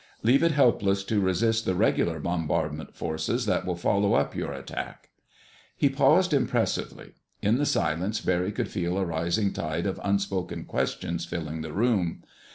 Leave it helpless to resist the regular bombardment forces that will follow up your attack." He paused impressively. In the silence Barry could feel a rising tide of unspoken questions filling the room.